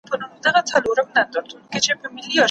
له یوه بامه تر بله یې ځغستله